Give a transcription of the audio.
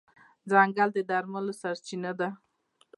ځنګل د درملو سرچینه ده.